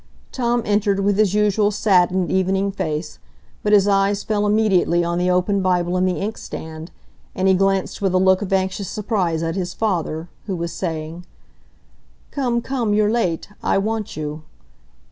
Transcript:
Tom entered with his usual saddened evening face, but his eyes fell immediately on the open Bible and the inkstand, and he glanced with a look of anxious surprise at his father, who was saying,— "Come, come, you're late; I want you."